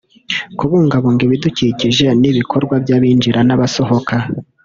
kubungabunga ibidukikije n’ibikorwa by’abinjira n’abasohoka